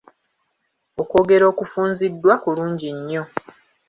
Okwogera okufunziddwa kulungi nnyo.